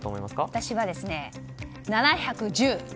私はね、７１０。